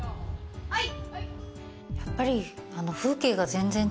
はい！